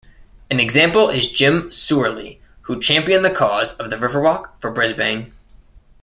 An example is Jim Soorley who championed the cause of the Riverwalk for Brisbane.